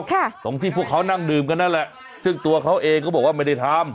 ตรงที่พวกเขานั่งดื่มกันนั่นแหละซึ่งตัวเขาเองก็บอกว่าไม่ได้ทำ